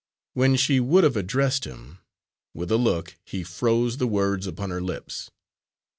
When she would have addressed him, with a look he froze the words upon her lips.